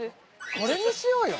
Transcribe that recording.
これにしようよ！